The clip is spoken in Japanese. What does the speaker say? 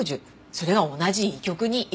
それが同じ医局にいる。